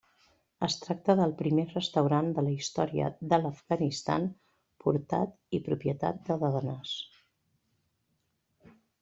Es tracta del primer restaurant de la història de l'Afganistan portat i propietat de dones.